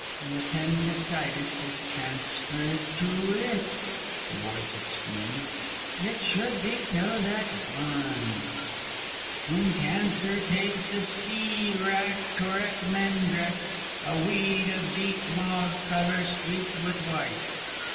"The appendicitis is transferred to it," the voice explained. "It should be killed at once. "In cancer take the sea wrack Torrek Mendrek a weed of deep mauve colour streaked with white.